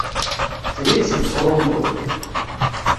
Srid seg Toronto.